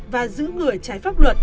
và giữ người trái pháp luật